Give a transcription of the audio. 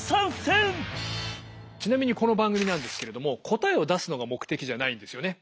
ちなみにこの番組なんですけれども答えを出すのが目的じゃないんですよね。